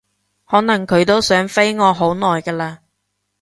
可能佢都想飛我好耐㗎喇